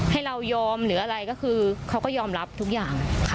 ให้เรายอมหรืออะไรก็คือเขาก็ยอมรับทุกอย่าง